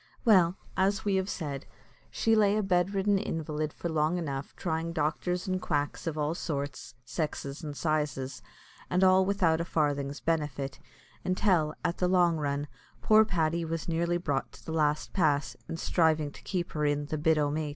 Well, as we have said, she lay a bedridden invalid for long enough, trying doctors and quacks of all sorts, sexes, and sizes, and all without a farthing's benefit, until, at the long run, poor Paddy was nearly brought to the last pass, in striving to keep her in "the bit o' mait."